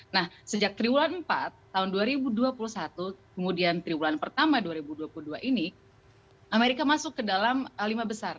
nah sejak triwulan empat tahun dua ribu dua puluh satu kemudian triwulan pertama dua ribu dua puluh dua ini amerika masuk ke dalam lima besar